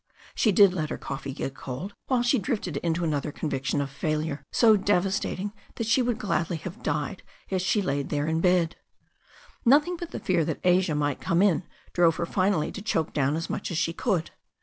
She did let her coffee get cold while she drifted into an other conviction of failure so devastating that she would gladly have died as she lay there in bed. Nothing but the fear that Asia might come in drove her finally to choke down as much as she could.